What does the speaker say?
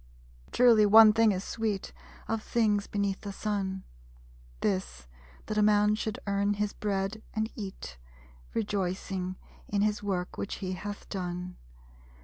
_Truly, one thing is sweet Of things beneath the Sun; This, that a man should earn his bread and eat, Rejoicing in his work which he hath done.